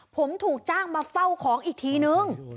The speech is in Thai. ผมถูกจ้างมาเฝ้าของอีกทีนึง